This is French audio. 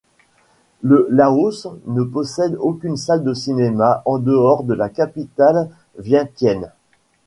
Le Laos ne possède aucune salle de cinéma en dehors de la capitale Vientiane.